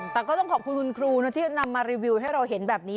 แต่ก็ต้องขอบคุณคุณครูที่จะนำมารีวิวให้เราเห็นแบบนี้